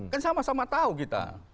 kan sama sama tahu kita